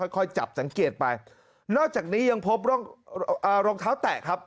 ค่อยจับสังเกตไปนอกจากนี้ยังพบรองเท้าแตะครับ